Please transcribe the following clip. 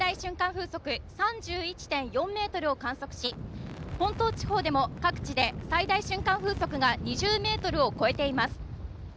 風速３１．４メートルを観測し本島地方でも各地で最大瞬間風速が２０メートルを超えています